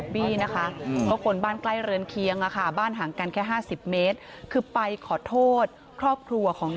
๑๐ปีแล้วค่ะเพราะว่ามันไกล